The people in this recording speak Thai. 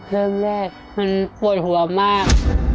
เริ่มแรกมันปวดหัวมาก